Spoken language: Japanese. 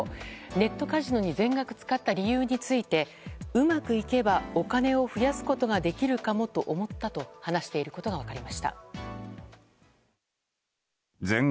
ネットカジノに全額使った理由についてうまくいけばお金を増やすことができるかもと思ったと話していることが分かりました。